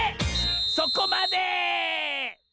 そこまで！